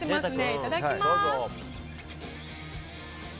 いただきます。